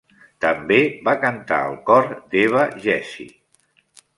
També va cantar al cor d'Eva Jessye.